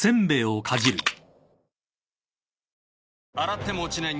洗っても落ちない